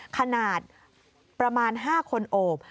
ขนาดประมาณ๕คนโอบ